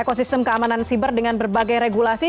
ekosistem keamanan siber dengan berbagai regulasi